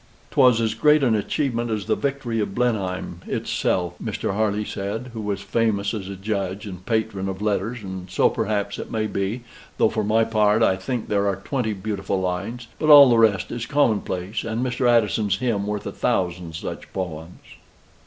"'Twas as great an achievement as the victory of Blenheim itself," Mr. Harley said, who was famous as a judge and patron of letters, and so, perhaps, it may be though for my part I think there are twenty beautiful lines, but all the rest is commonplace, and Mr. Addison's hymn worth a thousand such poems.